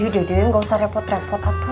dede nggak usah repot repot aku